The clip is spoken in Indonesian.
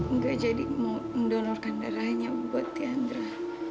nggak jadi mau mendonorkan darahnya buat diandra